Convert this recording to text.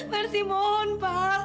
mersi mohon pak